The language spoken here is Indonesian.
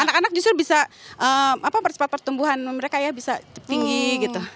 anak anak justru bisa percepat pertumbuhan mereka ya bisa tinggi gitu